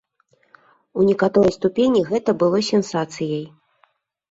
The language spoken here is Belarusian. У некаторай ступені гэта было сенсацыяй.